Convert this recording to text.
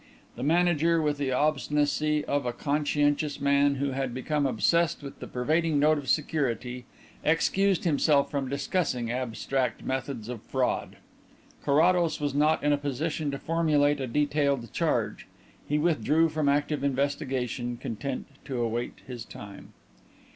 The manager, with the obstinacy of a conscientious man who had become obsessed with the pervading note of security, excused himself from discussing abstract methods of fraud. Carrados was not in a position to formulate a detailed charge; he withdrew from active investigation, content to await his time.